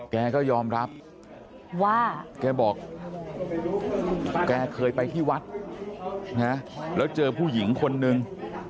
แกก็ยอมรับว่าแกบอกแกเคยไปที่วัดนะแล้วเจอผู้หญิงคนนึง